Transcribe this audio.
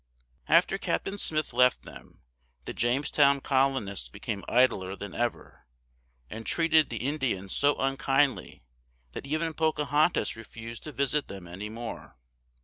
After Captain Smith left them, the Jamestown colonists became idler than ever, and treated the Indians so unkindly that even Pocahontas refused to visit them any more.